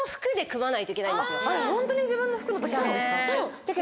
ホントに自分の服の時あるんですか？